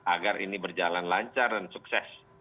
agar ini berjalan lancar dan sukses